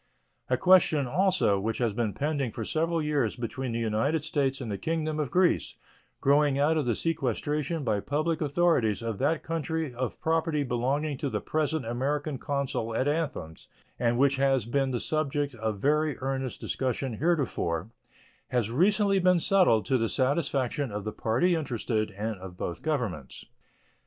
A question, also, which has been pending for several years between the United States and the Kingdom of Greece, growing out of the sequestration by public authorities of that country of property belonging to the present American consul at Athens, and which had been the subject of very earnest discussion heretofore, has recently been settled to the satisfaction of the party interested and of both Governments.